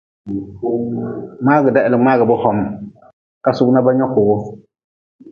Mngaagda heli mngaagʼbe hom kasug na ba nyoki wu.